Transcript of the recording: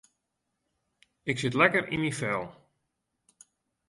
Ik sit lekker yn myn fel.